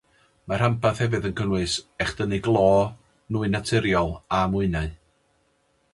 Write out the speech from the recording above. Mae'r rhanbarth hefyd yn cynnwys echdynnu glo, nwy naturiol a mwynau.